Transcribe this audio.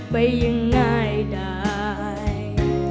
ไปยังง่ายได้